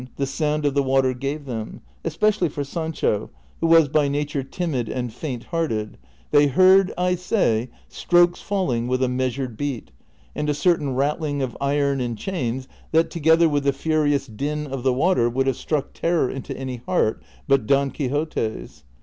CHAPTER XX. 135 water gave tlieni, especially for Sancho, who was by nature timid and faint hearted ; they heard, I say, strokes falling with a measured beat, and a certain i attling of iron and chains that, together Avith the furious din of the water, would have struck terror into any heart but Don Quixote's.